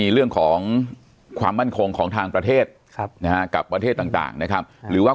สวัสดีครับทุกผู้ชม